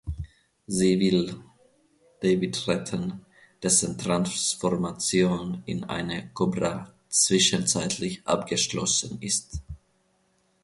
Sie will David retten, dessen Transformation in eine Kobra zwischenzeitlich abgeschlossen ist.